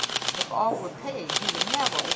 If all were paid, he would have over £3,000!